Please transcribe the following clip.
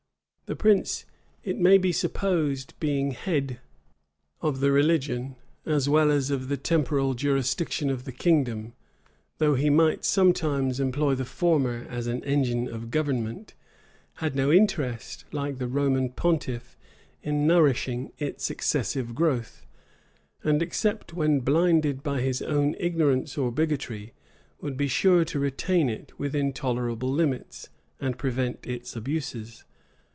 The prince, it may be supposed, being head of the religion, as well as of the temporal jurisdiction of the kingdom, though he might sometimes employ the former as an engine of government, had no interest, like the Roman pontiff, in nourishing its excessive growth; and, except when blinded by his own ignorance or bigotry, would be sure to retain it within tolerable limits, and prevent its abuses.